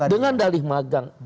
dengan dalih magang